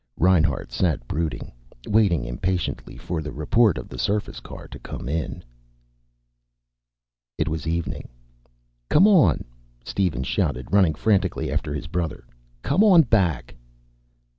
Reinhart sat brooding, waiting impatiently for the report of the surface car to come in. It was evening. "Come on!" Steven shouted, running frantically after his brother. "Come on back!"